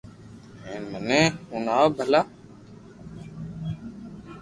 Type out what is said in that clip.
ھين مني ھڻاو ڀلا